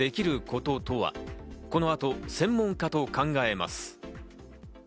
この後、専門家と考えます。